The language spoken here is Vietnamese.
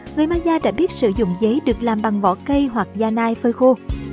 người maya đã biết sử dụng giấy được làm bằng vỏ cây hoặc da nai phơi khô